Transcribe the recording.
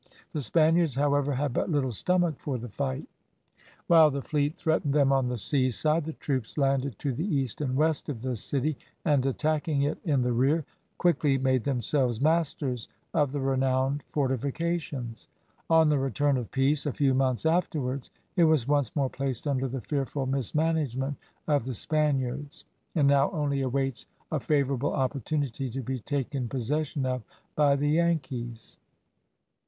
The Spaniards, however, had but little stomach for the fight. While the fleet threatened them on the sea side, the troops landed to the east and west of the city, and attacking it in the rear quickly made themselves masters of the renowned fortifications. On the return of peace, a few months afterwards, it was once more placed under the fearful mismanagement of the Spaniards, and now only awaits a favourable opportunity to be taken possession of by the Yankees.